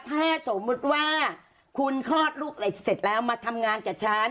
ถ้าสมมุติว่าคุณคลอดลูกเหล็กเสร็จแล้วมาทำงานกับฉัน